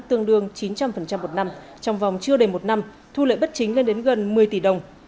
tương đương chín trăm linh một năm trong vòng chưa đầy một năm thu lợi bất chính lên đến gần một mươi tỷ đồng